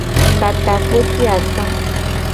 Ka takpo ci ato.